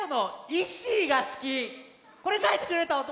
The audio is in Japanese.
これかいてくれたああ！